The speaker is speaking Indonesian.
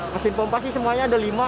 mesin pompa sih semuanya ada lima